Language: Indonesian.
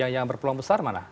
yang berpeluang besar mana